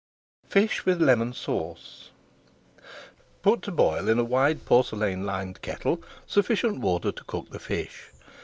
FISH WITH LEMON SAUCE Put to boil in a wide porcelain lined kettle sufficient water to cook the fish.